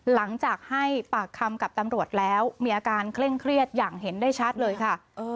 หลังจากให้ปากคำกับตำรวจแล้วมีอาการเคร่งเครียดอย่างเห็นได้ชัดเลยค่ะ